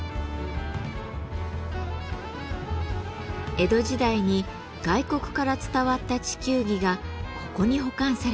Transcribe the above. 江戸時代に外国から伝わった地球儀がここに保管されています。